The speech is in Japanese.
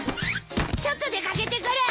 ちょっと出掛けてくる。